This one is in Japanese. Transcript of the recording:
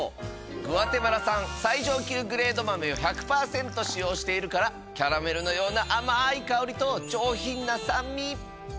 グアテマラ産最上級グレード豆を１００％使用しているからキャラメルのような甘い香りと上品な酸味。